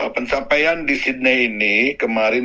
pencapaian di sydney ini kemarin